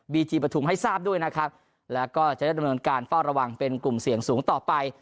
จีปฐุมให้ทราบด้วยนะครับแล้วก็จะได้ดำเนินการเฝ้าระวังเป็นกลุ่มเสี่ยงสูงต่อไป